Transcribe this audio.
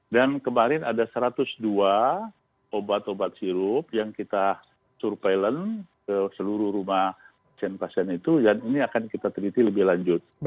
dan kemarin ada satu ratus dua obat obat sirup yang kita surpelen ke seluruh rumah pasien pasien itu dan ini akan kita teliti lebih lanjut